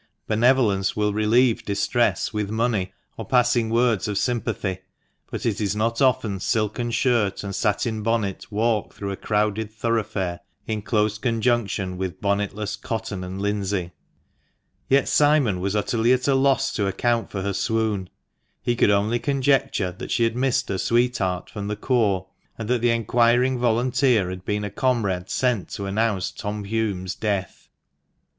Benevolence will relieve distress with money, or passing words of sympathy, but it is not often silken skirt and satin bonnet walk through a crowded thoroughfare in close conjunction with bonnetless cotton and linsey. Yet Simon was utterly at a loss to account for her swoon. He could only conjecture that she had missed her sweetheart from the corps, and that the enquiring volunteer had been a comrade sent to announce Tom Hulme's death.